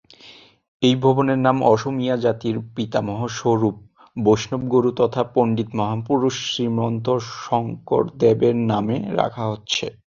এই ভবনের নাম অসমীয়া জাতির পিতামহ স্বরূপ, বৈষ্ণব গুরু তথা পণ্ডিত মহাপুরুষ শ্রীমন্ত শংকরদেব-এর নামে রাখা হচ্ছে।